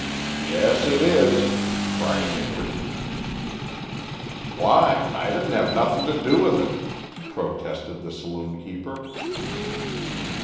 "Yes, it is," cried Hickory. "Why, I didn't have nothin' to do with it," protested the saloon keeper.